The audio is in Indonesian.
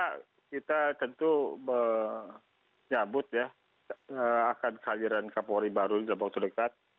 ya kita tentu menyambut ya akan kehadiran kapolri baru dalam waktu dekat